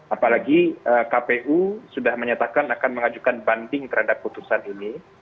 apalagi kpu sudah menyatakan akan mengajukan banding terhadap putusan ini